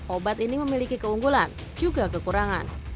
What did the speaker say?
obat ini memiliki keunggulan juga kekurangan